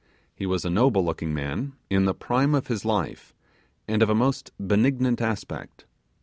He was a noble looking man, in the prime of his life, and of a most benignant aspect.